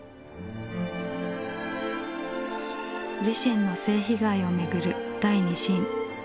自身の性被害をめぐる第二審。